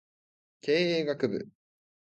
経営学部